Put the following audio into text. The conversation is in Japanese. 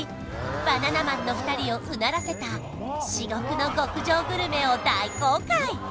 バナナマンの２人をうならせた至極の極上グルメを大公開